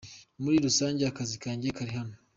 Muri rusange akazi kanjye kari hano.